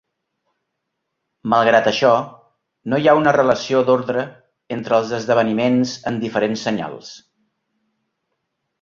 Malgrat això, no hi ha una relació d'ordre entre els esdeveniments en diferents senyals.